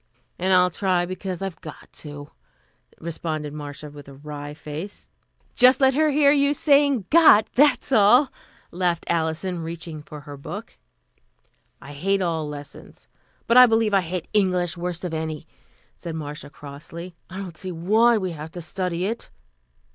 "And I'll try because I've got to," responded Marcia with a wry face. "Just let her hear you saying got, that's all," laughed Alison, reaching for her book. "I hate all lessons, but I believe I hate English worst of any," said Marcia crossly. "I don't see why we have to study it."